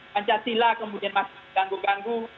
pancasila kemudian masih ganggu ganggu